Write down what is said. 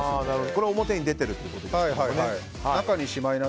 これが表に出てるってことですね。